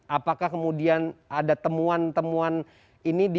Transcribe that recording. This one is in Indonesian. apakah kemudian ada temuan temuan ini